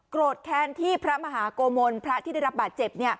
แค้นที่พระมหาโกมลพระที่ได้รับบาดเจ็บ